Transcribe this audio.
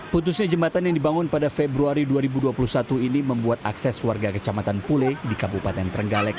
putusnya jembatan yang dibangun pada februari dua ribu dua puluh satu ini membuat akses warga kecamatan pule di kabupaten trenggalek